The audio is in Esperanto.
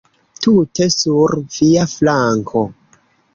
Tute sur via flanko.